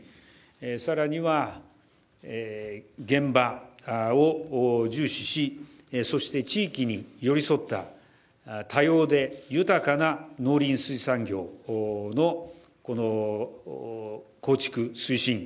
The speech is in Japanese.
更には現場を重視しそして地域に寄り添った多様で豊かな農林水産業の構築・推進